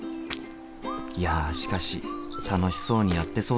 いやしかし楽しそうにやってそうだしな。